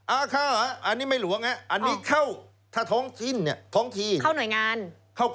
ออใช่อันนี้ไม่หลวงอันนี้เข้า